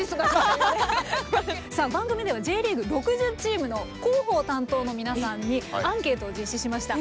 さあ番組ではＪリーグ６０チームの広報担当の皆さんにアンケートを実施しました。